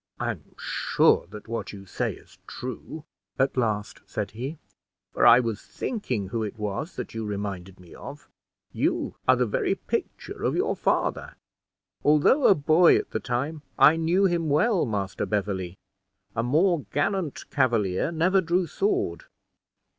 "I'm sure that what you say is true," at last said he; "for I was thinking who it was that you reminded me of. You are the very picture of your father. Although a boy at the time, I knew him well, Master Beverley; a more gallant Cavalier never drew sword.